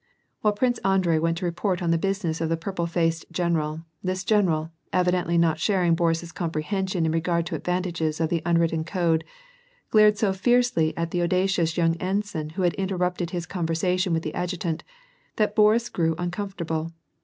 While Prince Andrei went to report on the business of the purple faced general, this general, evidently not sharing Boris's comprehension in regard to the advantages of the unwritten code, glared so fiercely at the audacious young ensign who had interrupted his conversation with the adjutant, that Boris grew uncomfortable.